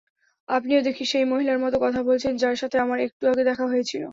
আপনিও দেখি সেই মহিলার মত কথা বলছেন যার সাথে আমার একটু আগে দেখা হয়েছিল?